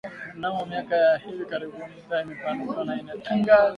Mnamo miaka ya hivi karibuni idhaa imepanuka na inatangaza